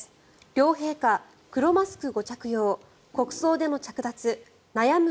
両陛下、黒マスクご着用国葬での着脱悩む